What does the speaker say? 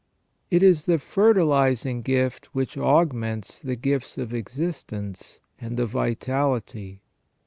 It is the fertilizing gift which augments the gifts of existence and of vitality.